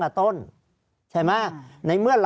ภารกิจสรรค์ภารกิจสรรค์